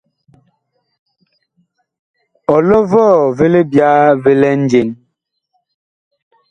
Ɔlɔ vɔɔ vi libyaa vi lɛ njen ?